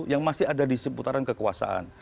yang masih ada di seputaran kekuasaan